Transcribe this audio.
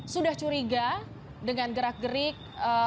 sudah curiga dengan gerak gerik